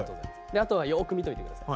あとはよく見といてください。